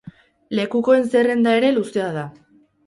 Lekukoen zerrenda ere luzea da.